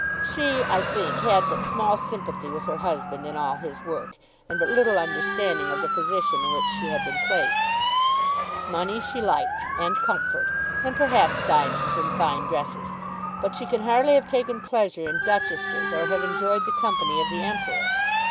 She, I think, had but small sympathy with her husband in all his work, and but little understanding of the position in which she had been placed. Money she liked, and comfort, and perhaps diamonds and fine dresses, but she can hardly have taken pleasure in duchesses or have enjoyed the company of the Emperor.